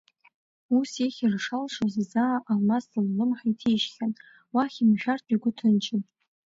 Ус ихьыр шалшоз заа Алмас ллымҳа иҭишьхьан, уахь имшәартә игәы ҭынчын.